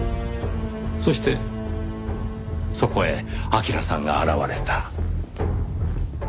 そしてそこへ明良さんが現れた。